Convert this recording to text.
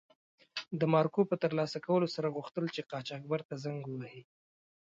د مارکو په تر لاسه کولو سره غوښتل چې قاچاقبر ته زنګ و وهي.